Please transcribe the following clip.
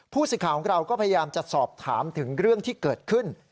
สิทธิ์ของเราก็พยายามจะสอบถามถึงเรื่องที่เกิดขึ้น